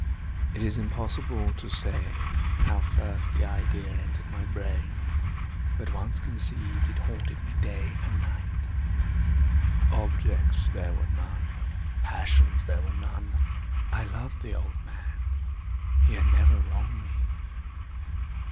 It is impossible to say how first the idea entered my brain; but once conceived, it haunted me day and night. Object there was none. Passion there was none. I loved the old man. He had never wronged me.